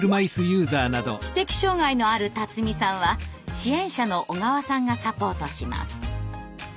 知的障害のある辰己さんは支援者の小川さんがサポートします。